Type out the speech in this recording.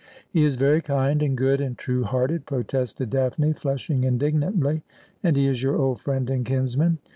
' He is very kind and good and true hearted,' protested Daphne, flushing indignantly; 'and he is your old friend and kinsman.